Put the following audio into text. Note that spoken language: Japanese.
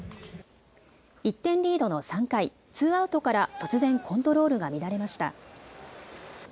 １点リードの３回、ツーアウトから突然コントロールが乱れました。